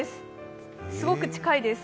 すごく近いです。